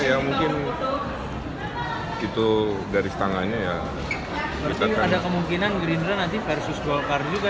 yang mungkin itu dari setangahnya ya kita ada kemungkinan green versus go kart juga